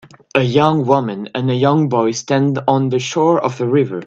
A young woman and a young boy stand on the shore of a river.